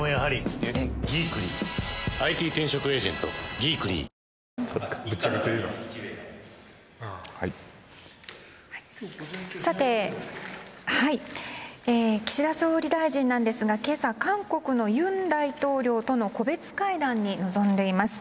キッコーマン岸田総理大臣なんですがけさ、韓国の尹大統領との個別会談に臨んでいます。